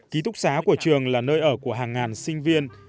ký túc xá của trường là nơi ở của hàng ngàn sinh viên